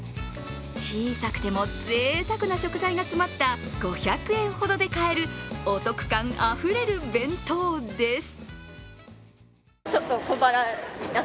ちいさくても贅沢な食材が詰まった５００円ほどで買えるお得感あふれる弁当です。